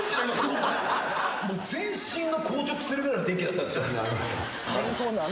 全身が硬直するぐらいの電気だったんですよ。